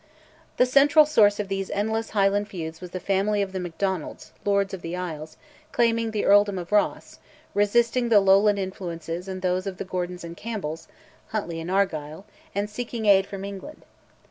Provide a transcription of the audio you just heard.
The central source of these endless Highland feuds was the family of the Macdonalds, Lords of the Isles, claiming the earldom of Ross, resisting the Lowland influences and those of the Gordons and Campbells (Huntly and Argyll), and seeking aid from England.